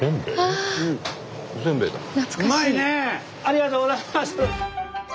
ありがとうございます。